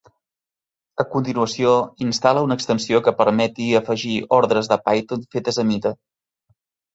A continuació, instal·la una extensió que permeti afegir ordres de Python fetes a mida.